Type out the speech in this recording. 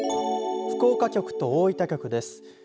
福岡局と大分局です。